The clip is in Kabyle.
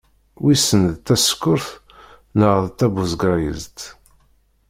Wissen d tasekkurt neɣ d tabuzegrayezt?